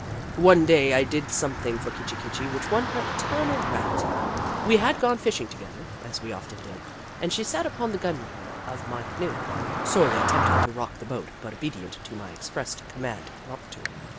One day I did something for Kitchi Kitchi which won her eternal gratitude. We had gone fishing together, as we often did, and she sat upon the gunwale of my canoe, sorely tempted to rock the boat, but obedient to my expressed command not to.